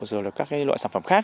rồi là các loại sản phẩm khác